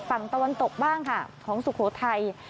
ฝั่งตะวันตกบ้างค่ะของสุโขทัย